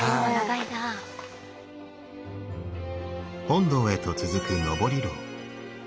本堂へと続く登廊。